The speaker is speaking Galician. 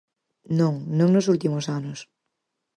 Non, non nos últimos anos.